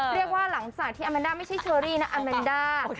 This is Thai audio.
เรียกว่าหลังจากที่อัมแมนดาไม่ใช่เชอรี่นะอัมแมนดา